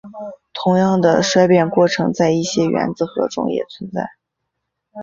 同样的衰变过程在一些原子核中也存在。